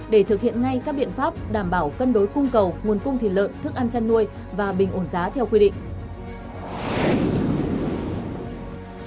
để thực hiện ngay các biện pháp đảm bảo cân đối cung cầu nguồn cung thịt lợn thức ăn chăn nuôi và bình ổn giá theo quy định